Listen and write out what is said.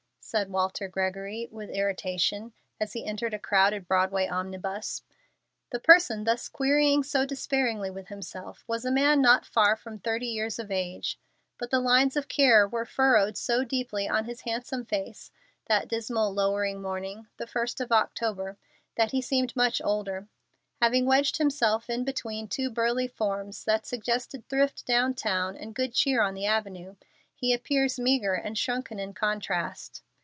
said Walter Gregory, with irritation, as he entered a crowded Broadway omnibus. The person thus querying so despairingly with himself was a man not far from thirty years of age, but the lines of care were furrowed so deeply on his handsome face, that dismal, lowering morning, the first of October, that he seemed much older. Having wedged himself in between two burly forms that suggested thrift down town and good cheer on the avenue, he appears meagre and shrunken in contrast.